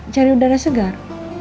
cari udara segar